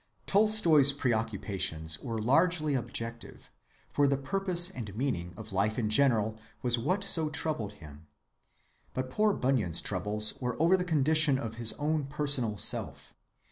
Tolstoy's preoccupations were largely objective, for the purpose and meaning of life in general was what so troubled him; but poor Bunyan's troubles were over the condition of his own personal self.